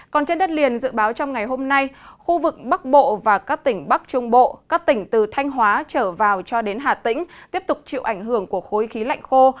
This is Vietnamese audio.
còn trên đất liền dự báo trong ngày hôm nay khu vực bắc bộ và các tỉnh bắc trung bộ các tỉnh từ thanh hóa trở vào cho đến hà tĩnh tiếp tục chịu ảnh hưởng của khối khí lạnh khô